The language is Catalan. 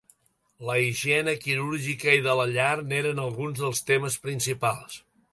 La higiene quirúrgica i de la llar n'eren alguns dels temes principals.